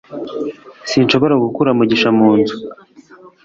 Sinshobora gukura mugisha mu nzu